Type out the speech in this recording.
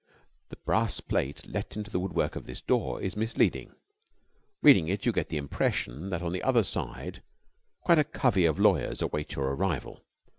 The brass plate, let into the woodwork of this door, is misleading. Reading it, you get the impression that on the other side quite a covey of lawyers await your arrival.